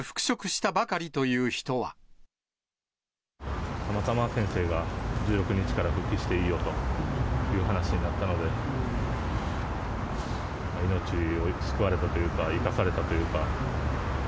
たまたま先生が１６日から復帰していいよという話になったので、命を救われたというか、生かされたというか。